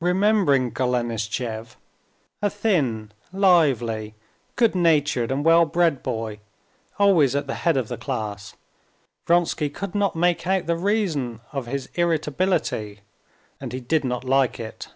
Remembering Golenishtchev, a thin, lively, good natured and well bred boy, always at the head of the class, Vronsky could not make out the reason of his irritability, and he did not like it.